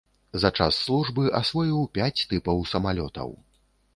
За час службы асвоіў пяць тыпаў самалётаў.